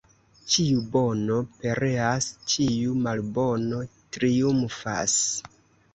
Ĉiu bono pereas, ĉiu malbono triumfas.